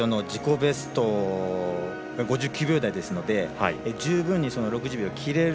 ベスト５９秒台ですので十分に６０秒台切れる